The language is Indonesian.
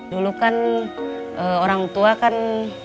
dulu kan orang tua kan